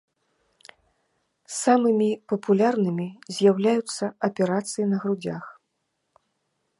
Самымі папулярнымі з'яўляюцца аперацыі на грудзях.